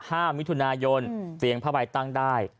ห้ามิถุนายนเสียงผ้าใบตั้งได้